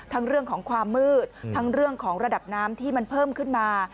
เรื่องของความมืดทั้งเรื่องของระดับน้ำที่มันเพิ่มขึ้นมา